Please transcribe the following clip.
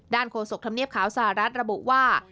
โฆษกธรรมเนียบขาวสหรัฐระบุว่า